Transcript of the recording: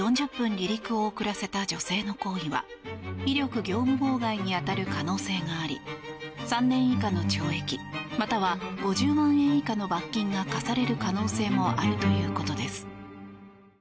離陸を遅らせた女性の行為は威力業務妨害に当たる可能性があり３年以下の懲役または５０万円以下の罰金が科される可能性もあるということです。